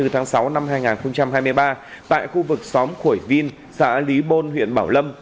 hai mươi tháng sáu năm hai nghìn hai mươi ba tại khu vực xóm khuổi vin xã lý bôn huyện bảo lâm